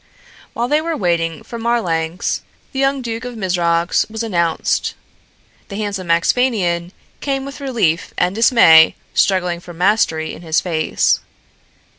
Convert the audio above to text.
While they were waiting for Marlanx the young Duke of Mizrox was announced. The handsome Axphainian came with relief and dismay struggling for mastery in his face.